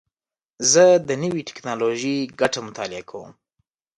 زه د نوې ټکنالوژۍ ګټې مطالعه کوم.